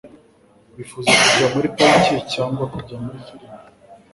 wifuza kujya muri pariki cyangwa kujya muri firime